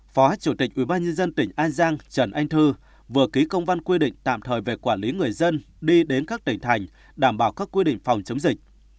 phó chủ tịch ubnd tỉnh an giang trần anh thư vừa ký công văn quy định tạm thời về quản lý người dân đi đến các tỉnh thành đảm bảo các quy định phòng chống dịch